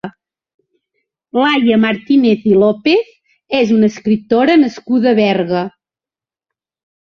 Laia Martinez i Lopez és una escriptora nascuda a Berga.